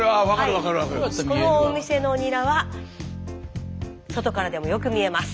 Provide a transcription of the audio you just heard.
このお店のニラは外からでもよく見えます。